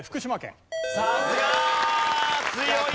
さすが！強い！